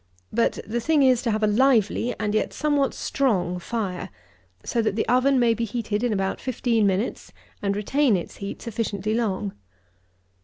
But the thing is, to have a lively and yet somewhat strong fire; so that the oven may be heated in about 15 minutes, and retain its heat sufficiently long.